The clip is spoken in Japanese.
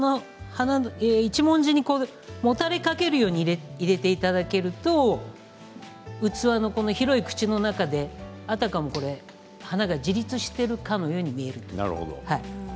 一文字に、もたれかけるように入れていただけると器の広い口の中であたかも花が自立しているかのように見えるんです。